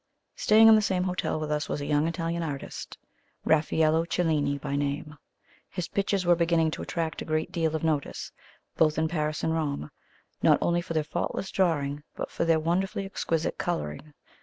Staying in the same hotel with us was a young Italian artist, Raffaello Cellini by name. His pictures were beginning to attract a great deal of notice, both in Paris and Rome: not only for their faultless drawing, but for their wonderfully exquisite colouring.